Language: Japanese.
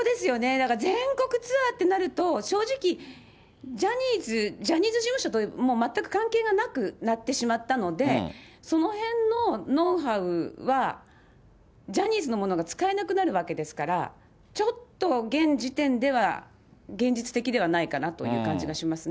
だから全国ツアーってなると、正直、ジャニーズ事務所と全く関係がなくなってしまったので、そのへんのノウハウは、ジャニーズのものが使えなくなるわけですから、ちょっと現時点では、現実的ではないかなという感じがしますね。